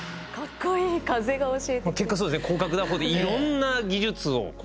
結果そうですね広角打法でいろんな技術を。